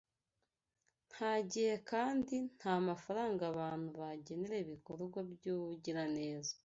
Nta gihe kandi nta n’amafaranga abantu bagenera ibikorwa by’ubugiraneza